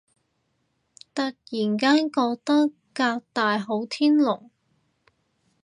突然間覺得革大好天龍